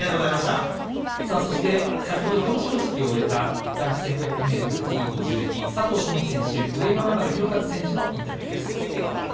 そして、先ほど表彰式を終えた男子１５００ｍＴ５２佐藤友祈選手上与那原寛和選手のインタビューです。